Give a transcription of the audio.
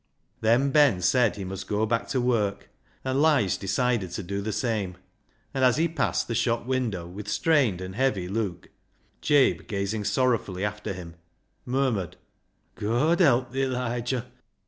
Then Ben said he must go back to work, and Lige decided to do the same, and as he i8o BECKSIDE LIGHTS passed the shop window with strained and heavy look, Jabe, gazing sorrowfully after him, murmured —" God help thi, Liger